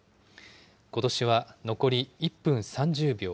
ことしは残り１分３０秒。